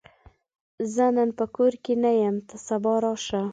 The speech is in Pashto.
زه نن په کور کې نه یم، ته سبا راشه!